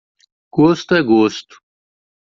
Gosto é gosto.